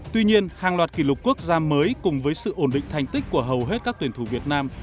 tuy nhiên hàng loạt kỷ lục quốc gia mới cùng với sự ổn định thành tích của hầu hết các tuyển thủ việt nam